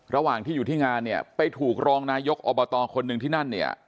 ระหว่างที่อยู่ที่งานเนี่ยไปถูกรองนายกอบตคนหนึ่งที่นั่นเนี่ย